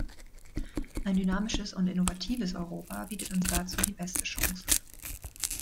Ein dynamisches und innovatives Europa bietet uns dazu die beste Chance.